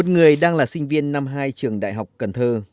một người đang là sinh viên năm hai trường đại học cần thơ